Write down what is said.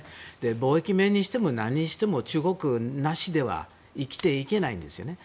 貿易面にしてもなんにしても中国なしでは生きていけないんですよね。